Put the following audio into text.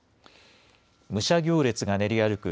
武者行列が練り歩く